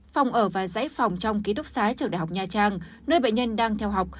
phòng ở và giấy phòng trong ký túc sái trường đh nha trang nơi bệnh nhân đang theo học